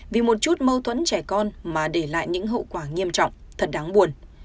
vì một chút mâu thuẫn trẻ con mà để lại những hậu quả nghiêm trọng thật đáng buồn